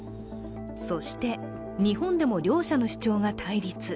そして日本でも両者の主張が対立。